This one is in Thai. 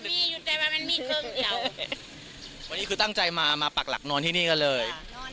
มีอยู่แต่ว่ามันมีเครื่องเดียววันนี้คือตั้งใจมามาปักหลักนอนที่นี่กันเลย